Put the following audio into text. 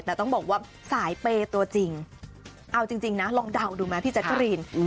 แต่ต้องบอกว่าสายเปย์ตัวจริงเอาจริงนะลองเดาดูไหมพี่แจ๊กกะรีน